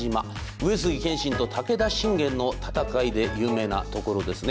上杉謙信と武田信玄の戦いで有名なところですね。